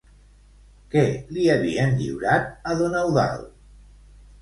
Què li havien lliurat a don Eudald?